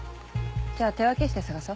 じゃあ手分けして捜そ。